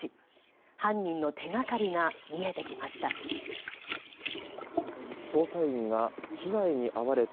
犯人の手がかりが見えてきました。